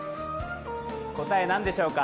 答え、何でしょうか？